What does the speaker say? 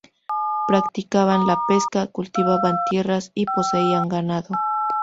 Practicaban la pesca, cultivaban tierras y poseían ganado.